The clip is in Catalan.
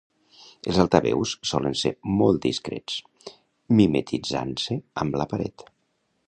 Els altaveus solen ser molt discrets, mimetitzant-se amb la paret.